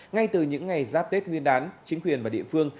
ngay từ những ngày giáp tết nguyên đán chính quyền và địa phương